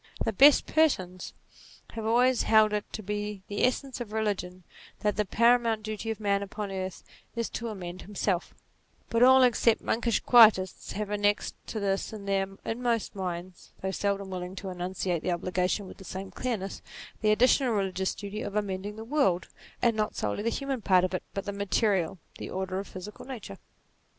The best persons have always 26 NATURE held it to be the essence of religion, that the paramount duty of man upon earth is to amend himself : but all except monkish quietists have annexed to this in their inmost minds (though seldom willing to enunciate the obligation with the same clearness) the additional religious duty of amending the world, and not solely the human part of it but the material ; the order of physical nature.